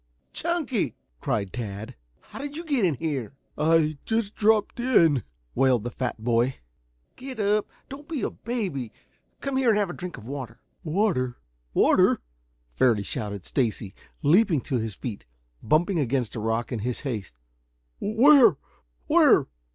"Chunky!" cried Tad. "How did you get in here?" "I just dropped in," wailed the fat boy. "Get up! Don't be a baby! Come here and have a drink of water " "Water? Water?" fairly shouted Stacy, leaping to his feet, bumping against a rock in his haste. "Where? Where?"